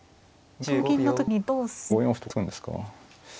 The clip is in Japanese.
まあ５四歩とか突くんですか。